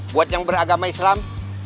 buat yang beragama islam